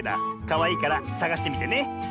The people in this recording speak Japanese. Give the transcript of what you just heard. かわいいからさがしてみてね！